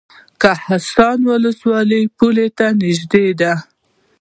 کهسان ولسوالۍ پولې ته نږدې ده؟